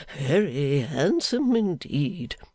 Very handsome, indeed!